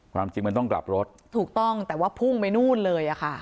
ความจริงมันต้องกลับรถถูกต้องแต่ว่าพุ่งไปนู่นเลยอ่ะค่ะ